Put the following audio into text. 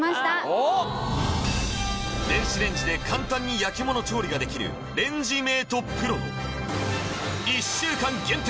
おおっ電子レンジで簡単に焼きもの調理ができるレンジメートプロの１週間限定